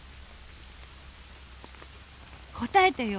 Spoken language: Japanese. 答えてよ。